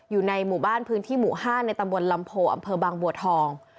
อยู่ในหมู่บ้านพื้นที่หมู่๕ในตำบลลำโพอำเภอบางบัวทอง